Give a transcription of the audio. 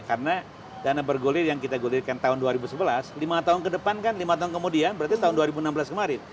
karena dana bergulir yang kita gulirkan tahun dua ribu sebelas lima tahun ke depan kan lima tahun kemudian berarti tahun dua ribu enam belas kemarin